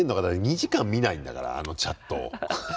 だって２時間見ないんだからあのチャットを。